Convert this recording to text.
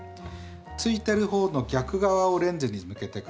ついてるほうの逆側をレンズに向けてください。